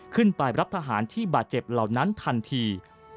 ไปรับทหารที่บาดเจ็บเหล่านั้นทันที